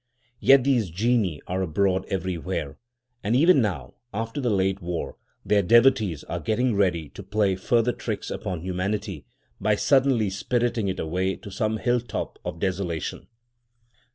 Yet these genii are abroad everywhere; and even now, after the late war, their devotees are getting ready to play further tricks upon humanity by suddenly spiriting it away to some hill top of desolation.